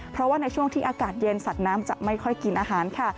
เพราะว่าในช่วงที่อากาศเย็นสัตว์น้ำจะไม่ค่อยกินอาหารค่ะ